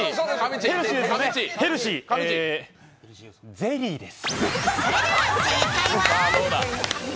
ゼリーです。